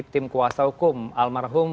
tim kuasa hukum almarhum